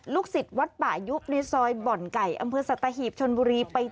ลูกศิษย์วัดป่ายุในซอยบ่อนไก่